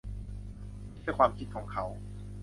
ไม่เชื่อความคิดของเขา